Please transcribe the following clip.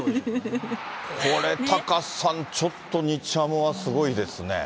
これ、タカさん、ちょっと日ハムはすごいですね。